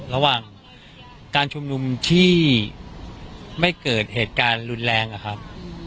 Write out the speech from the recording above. ระหว่างการชุมนุมที่ไม่เกิดเหตุการณ์รุนแรงอะครับ